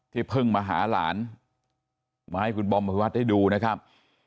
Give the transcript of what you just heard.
เพิ่งมาหาหลานมาให้คุณบอมภิวัตได้ดูนะครับ